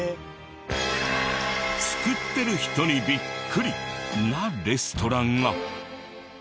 作ってる人にビックリなレストランが。